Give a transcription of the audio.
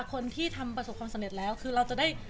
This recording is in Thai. คนที่ทำประสบความสำเร็จแล้วคือเราจะได้